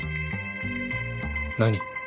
何？